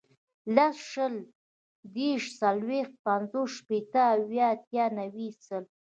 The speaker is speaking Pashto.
لس, شل, دېرس, څلوېښت, پنځوس, شپېته, اویا, اتیا, نوي, سل